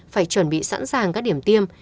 phải chuẩn bị sẵn sàng các điểm tiêm